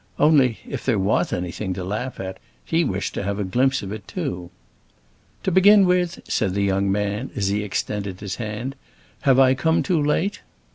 Only, if there was anything to laugh at, he wished to have a glimpse of it too. "To begin with," said the young man, as he extended his hand, "have I come too late?"